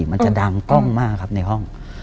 มันจะดังกล้องมากครับในห้อง